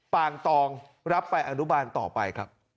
ตองรับไปอนุบาลต่อไปครับ